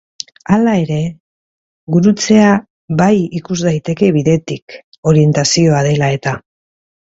Hala ere, gurutzea bai, ikus daiteke bidetik, orientazioa dela-eta.